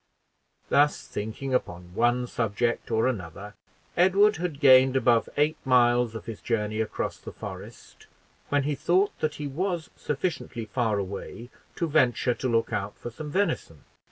Thus thinking upon, one subject or another, Edward had gained above eight miles of his journey across the forest, when he thought that he was sufficiently far away to venture to look out for some venison.